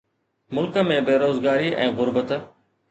ملڪ ۾ بيروزگاري ۽ غربت